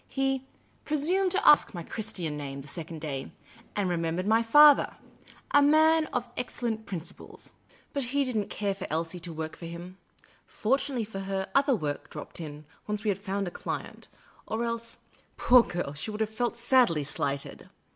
He "presumed to ask" my Christian name the second day, and remembered my father —" a man HE BOWED TO US EACH SEPARATELY, of excellent principles." But he did n't care for Klsie to work for him. Fortunately for her, other work dropped in, once we had found a client, or else, poor girl, she would have felt sadly slighted.